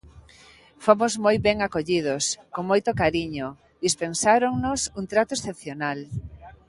Fomos moi ben acollidos, con moito cariño; dispensáronnos un trato excepcional.